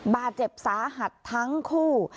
บาดเจ็บสาหัสทั้งคู่